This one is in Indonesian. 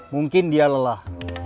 mungkin dia lelah